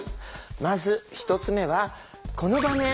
まず１つ目はこの場面。